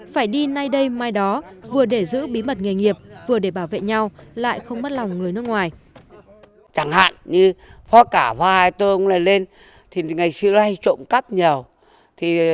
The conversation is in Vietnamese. phải đi nay đây mai đó vừa để giữ bí mật nghề nghiệp vừa để bảo vệ nhau lại không mất lòng người nước ngoài